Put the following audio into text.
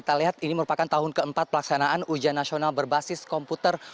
kita lihat ini merupakan tahun keempat pelaksanaan ujian nasional berbasis komputer